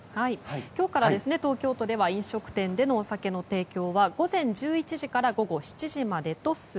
今日から、東京都では飲食店でのお酒の提供は午前１１時から午後７時までとする。